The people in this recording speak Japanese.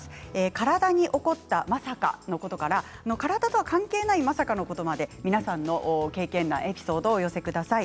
体に起こったまさかのことから体とは関係ないまさかのことまで皆さんの経験談エピソードをお寄せください。